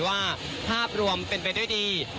ที่สนชนะสงครามเปิดเพิ่ม